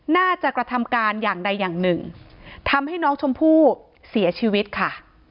กระทำการอย่างใดอย่างหนึ่งทำให้น้องชมพู่เสียชีวิตค่ะ